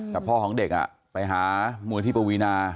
แต่พ่อของเด็กไปหามวยที่ปวีนา